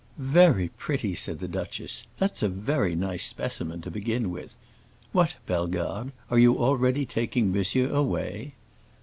"Very pretty!" said the duchess. "That's a very nice specimen, to begin with. What, Bellegarde, are you already taking monsieur away?"